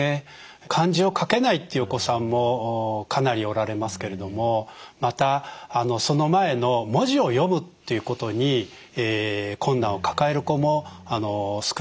漢字を書けないっていうお子さんもかなりおられますけれどもまたその前の文字を読むっていうことに困難を抱える子も少なくありません。